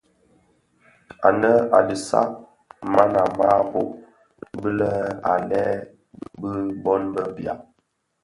Ànë a disag man a màa rôb bi lë à lëê bi bôn bë biàg.